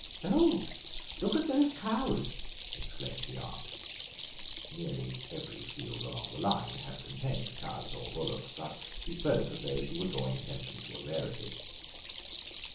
"Oh, look at those cows!" exclaimed the aunt. Nearly every field along the line had contained cows or bullocks, but she spoke as though she were drawing attention to a rarity.